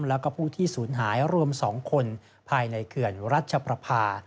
และพูดที่สูญหายรวม๒คนภายในเขื่อนรัชประภา